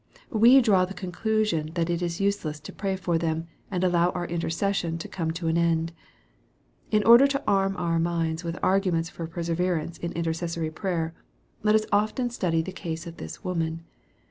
We draw the conclusion that it is useless to pray for them, and allow our intercession to come to an end. In order to arm our minds with arguments for perse verance in intercessory prayer, let us often study the case of this woman.